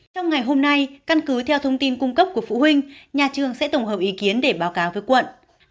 trong ngày hôm nay căn cứ theo thông tin cung cấp của phụ huynh nhà trường sẽ tổng hợp ý kiến để báo cáo với quận